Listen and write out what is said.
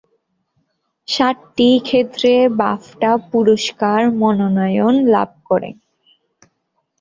সাতটি ক্ষেত্রে বাফটা পুরস্কার মনোনয়ন লাভ করে।